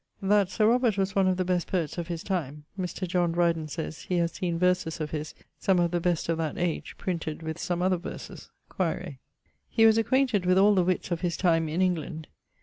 That Sir Robert was one of the best poets of his time Mr. John Dreyden sayes he has seen verses of his, some of the best of that age, printed with some other verses quaere. He was acquainted with all the witts of his time in England.